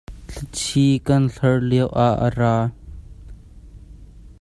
Thilci kan lawr liao ah a ra.